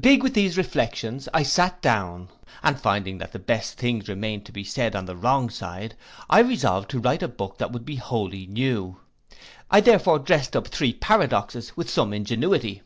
Big with these reflections, I sate down, and finding that the best things remained to be said on the wrong side, I resolved to write a book that should be wholly new. I therefore drest up three paradoxes with some ingenuity.